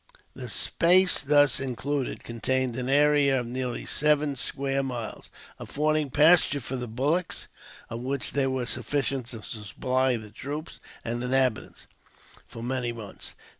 The space thus included contained an area of nearly seven square miles, affording pasture for the bullocks, of which there were sufficient to supply the troops and inhabitants for many months.